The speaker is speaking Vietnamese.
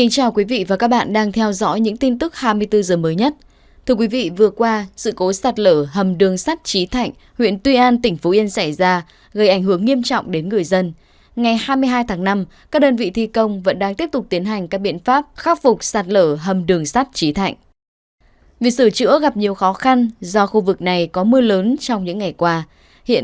các bạn hãy đăng ký kênh để ủng hộ kênh của chúng mình nhé